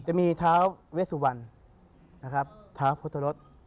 จะมีท้าวเวชสู่วัลท้าวพุทธรส